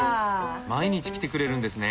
毎日来てくれるんですね。